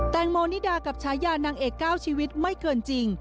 แตงโมนิดากับฉายานางเอก๙ชีวิตไม่เกินจริง